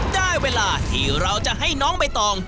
ได้เวลาที่เราจะให้น้องใบตอง